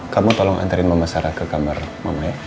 kamu tolong antarin mama sarah ke kamar mama ya